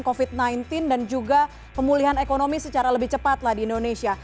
covid sembilan belas dan juga pemulihan ekonomi secara lebih cepat lah di indonesia